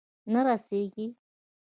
نه رسیږې